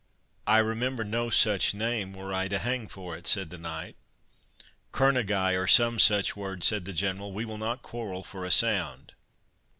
"I remember no such name, were I to hang for it," said the knight. "Kerneguy, or some such word," said the General; "we will not quarrel for a sound."